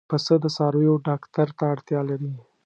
پسه د څارویو ډاکټر ته اړتیا لري.